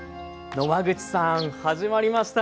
野間口さん始まりました。